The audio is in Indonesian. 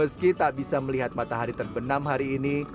meski tak bisa melihat matahari terbenam hari ini